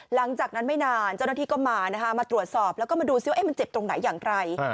หลังจากนั้นไม่นานเจ้าหน้าที่ก็มานะคะมาตรวจสอบแล้วก็มาดูซิว่ามันเจ็บตรงไหนอย่างไร